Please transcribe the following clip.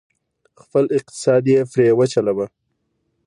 خپل اقتصاد یې پرې وچلوه،